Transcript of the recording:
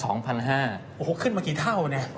โอ้โหขึ้นมากี่เท่าเนี่ย